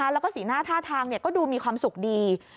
แล้วก็สีหน้าท่าทางก็ดูมีความสุขดี